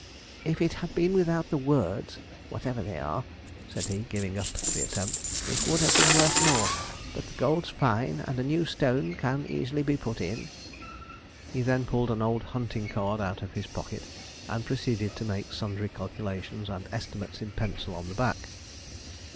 'If it had been without the words, whatever they are,' said he, giving up the attempt, 'it would have been worth more, but the gold's fine, and a new stone can easily be put in.' He then pulled an old hunting card out of his pocket, and proceeded to make sundry calculations and estimates in pencil on the back.